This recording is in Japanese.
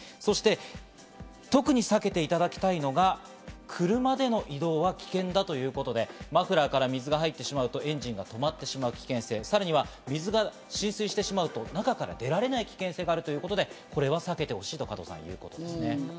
そして特に避けていただきたいのが車での移動は危険だということで、マフラーから水が入ってしまうとエンジンが止まってしまう危険性、さらに水が浸水してしまうと中から出られない危険性があるということで、これは避けてほしいということです。